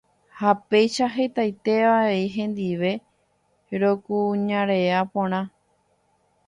ha péicha hetaite avei hendive rokuñarea porã.